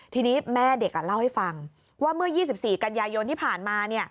ทีนี้แม่เด็กเล่าให้ฟังว่าเมื่อ๒๔กันยายนที่ผ่านมา